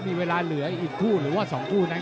มีเวลาเหลืออีกคู่หรือว่า๒คู่นั้น